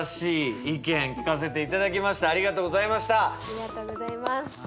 ありがとうございます。